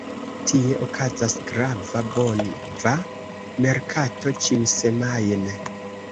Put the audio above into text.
Tie okazas grava bova merkato ĉiusemajne.